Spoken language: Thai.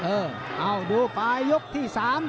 เอ้าดูปลายยุคที่๓